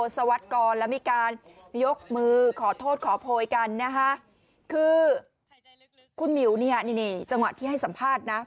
สวัสดิกรแล้วมีการยกมือขอโทษขอโพยกันนะคะคือคุณหมิวเนี่ยนี่จังหวะที่ให้สัมภาษณ์นะ